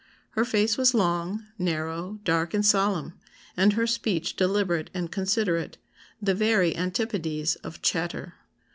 Her face was long, narrow, dark, and solemn, and her speech deliberate and considerate, the very antipodes of 'chatter.